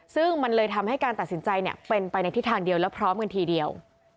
ซึ่งมันเลยทำให้การตัดสินใจเป็นไปในทิศทางเดียวและพร้อมกันทีเดียว